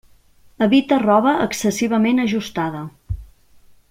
Evita roba excessivament ajustada.